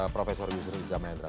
prof yusril zaman yandra